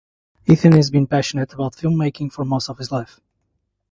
Ethan has been passionate about filmmaking for most of his life.